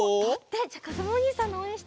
じゃあかずむおにいさんのおうえんしてよ